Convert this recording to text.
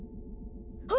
あ！